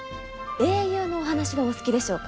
英雄のお話はお好きでしょうか？